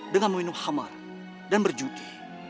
dengan mengenung hamar dan berjudi